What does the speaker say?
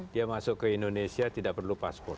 dia masuk ke indonesia tidak perlu paspor